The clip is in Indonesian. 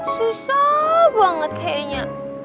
susah banget kayaknya